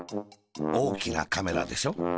おおきなカメラでしょ。